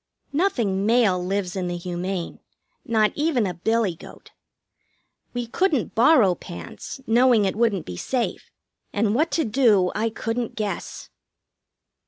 Nothing male lives in the Humane. Not even a billy goat. We couldn't borrow pants, knowing it wouldn't be safe; and what to do I couldn't guess.